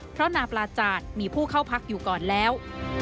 เพราะนาปลาจาดมีผู้เข้าพักอยู่ก่อนแล้ว